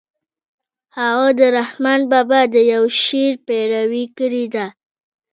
هغه د رحمن بابا د يوه شعر پيروي کړې ده.